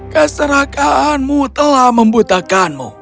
keserakaanmu telah membutakanmu